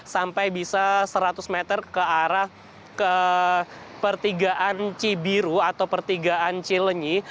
sampai bisa seratus meter ke arah ke pertigaan cibiru atau pertigaan cilenyi